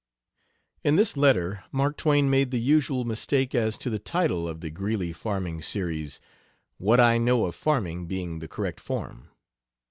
In this letter Mark Twain made the usual mistake as to the title of the Greeley farming series, "What I Know of Farming" being the correct form.